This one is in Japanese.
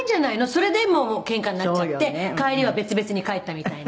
それでもうケンカになっちゃって帰りは別々に帰ったみたいな」